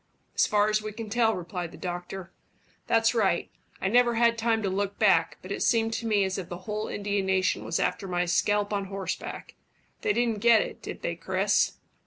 "As far as we can tell," replied the doctor. "That's right. I never had time to look back, but it seemed to me as if the whole Indian nation was after my scalp on horseback. They didn't get it, did they, Chris?"